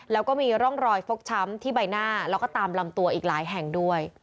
แล้วก็มีร่องรอยฟกช้ำที่ใบหน้าแล้วก็ตามลำตัวอีกหลายแห่งด้วย